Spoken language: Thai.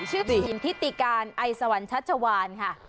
ชื่อธิติการไอสวรรค์ชัชวานค่ะ